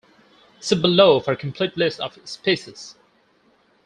See below for complete list of species.